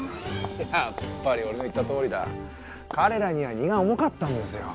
やっぱり俺の言ったとおりだ彼らには荷が重かったんですよ